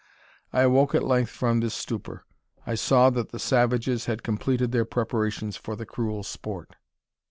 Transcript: I awoke at length from this stupor. I saw that the savages had completed their preparations for the cruel sport.